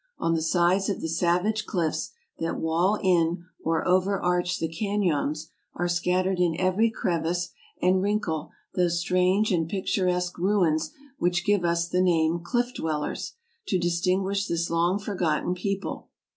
On the sides of the savage cliffs that wall in or overarch the canons are scattered in every crevice and wrinkle those strange and picturesque ruins which give us the name " Cliff dwellers " to distinguish this long forgotten people.